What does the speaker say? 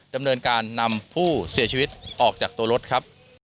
ดำเนินการนำผู้เสียชีวิตออกจากตัวรถครับ